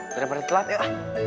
daripada telat yuk ah